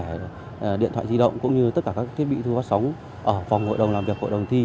điện thoại di động cũng như tất cả các thiết bị thư phát sóng ở phòng hội đồng làm việc hội đồng thi